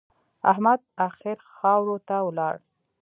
احمد اخير خاورو ته ولاړ.